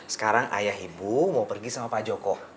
sekarang ayah ibu mau pergi sama pak joko